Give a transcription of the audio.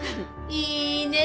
いいね！